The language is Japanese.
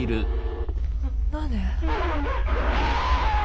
何で？